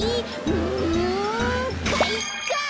うんかいか！